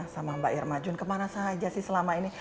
sama mbak irma jun kemana saja sih selama ini